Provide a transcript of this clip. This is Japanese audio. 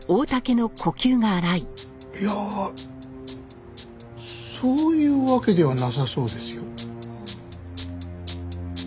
いやそういうわけではなさそうですよ。